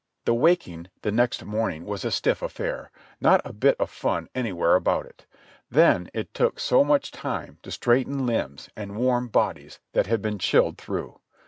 The waking the next morning was a stif? affair, not a bit of fun anywhere about it ; then it took so much time to straighten limbs and warm bodies that had been chilled through.